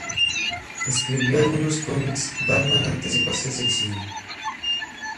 Escribió algunos comics Batman antes de pasar al cine.